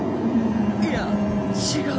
いや違う。